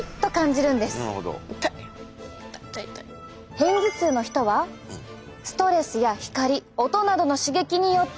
片頭痛の人はストレスや光音などの刺激によって。